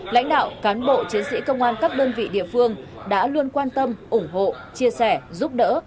lãnh đạo cán bộ chiến sĩ công an các đơn vị địa phương đã luôn quan tâm ủng hộ chia sẻ giúp đỡ